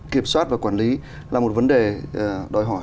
kiểm soát và quản lý là một vấn đề đòi hỏi